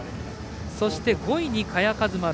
そして５位に萱和磨。